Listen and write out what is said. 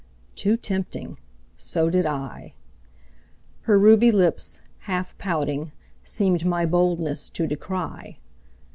Too tempting; so did I. Her ruby lips, half pouting, seemed My boldness to decry.